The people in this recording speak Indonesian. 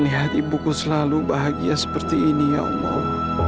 lihat ibuku selalu bahagia seperti ini ya allah